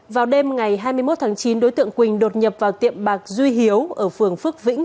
vào đêm ngày hai mươi một tháng chín đối tượng quỳnh đột nhập vào tiệm bạc duy hiếu ở phường phước vĩnh